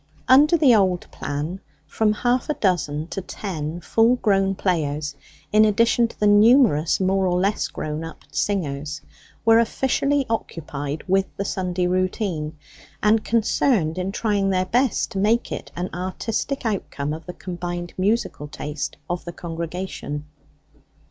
Under the old plan, from half a dozen to ten full grown players, in addition to the numerous more or less grown up singers, were officially occupied with the Sunday routine, and concerned in trying their best to make it an artistic outcome of the combined musical taste of the congregation.